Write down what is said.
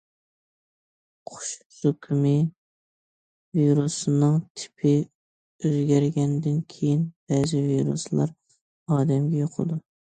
قۇش زۇكىمى ۋىرۇسىنىڭ تىپى ئۆزگەرگەندىن كېيىن، بەزى ۋىرۇسلار ئادەمگە يۇقىدۇ.